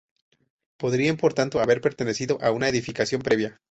Podrían, por tanto, haber pertenecido a una edificación previa.